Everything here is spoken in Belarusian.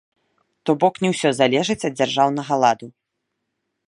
То бок, не ўсё залежыць ад дзяржаўнага ладу.